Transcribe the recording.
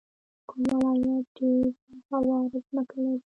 کوم ولایت ډیره هواره ځمکه لري؟